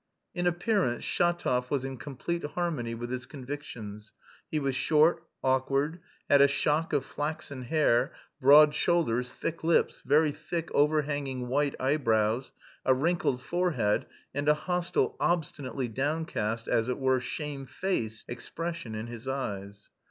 In appearance Shatov was in complete harmony with his convictions: he was short, awkward, had a shock of flaxen hair, broad shoulders, thick lips, very thick overhanging white eyebrows, a wrinkled forehead, and a hostile, obstinately downcast, as it were shamefaced, expression in his eyes.